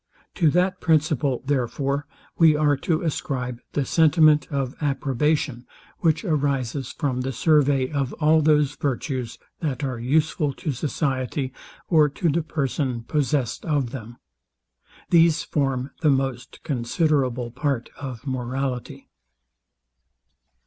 To that principle, therefore, we are to ascribe the sentiment of approbation, which arises from the survey of all those virtues, that are useful to society, or to the person possessed of them. These form the most considerable part of morality.